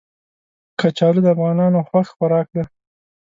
کچالو د افغانانو خوښ خوراک دی